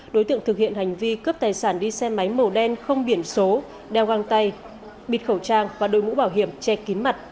đối tượng thực hiện hành vi cướp tài sản đi xe máy màu đen không biển số đeo găng tay bịt khẩu trang và đội mũ bảo hiểm che kín mặt